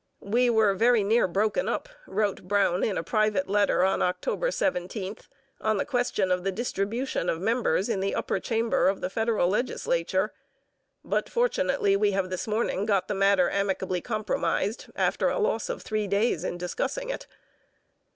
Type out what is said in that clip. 'We were very near broken up,' wrote Brown in a private letter on October 17, 'on the question of the distribution of members in the upper chamber of the federal legislature, but fortunately we have this morning got the matter amicably compromised, after a loss of three days in discussing it.'